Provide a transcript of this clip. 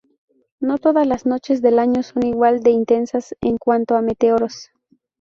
No todas las noches del año son igual de intensas en cuanto a meteoros.